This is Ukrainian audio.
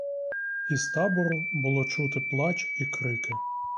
Із табору було чути плач і крики.